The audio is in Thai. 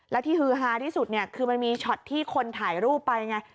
และที่ฮือฮาที่สุดเนี่ยคือมันมีช็อตที่คนถ่ายรูปไปไง